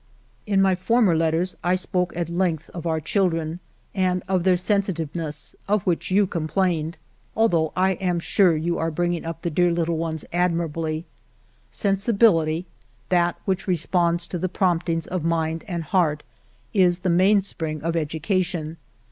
"In my former letters I spoke at length of our children, and of their sensitiveness, of which you complained, although I am sure you are 278 FIVE YEARS OF MY LIFE bringing up the dear little ones admirably. Sen sibility, that which responds to the promptings of mind and heart, is the mainspring of educa tion.